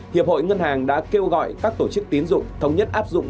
hiệp hội ngân hàng đã kêu gọi các tổ chức tín dụng thống nhất áp dụng